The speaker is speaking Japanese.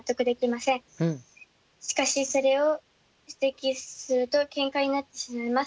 しかしそれを指摘するとケンカになってしまいます。